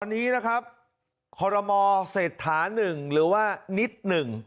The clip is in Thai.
วันนี้นะครับคอรมอเศรษฐาหนึ่งหรือว่านิดหนึ่ง